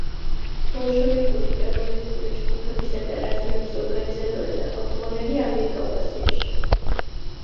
ბოლშევიკური ტერორისტული ჯგუფებისა და რაზმების ორგანიზატორი და ხელმძღვანელი ამიერკავკასიაში.